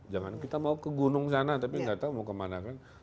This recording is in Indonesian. jangan kita mau ke gunung sana tapi nggak tahu mau kemana kan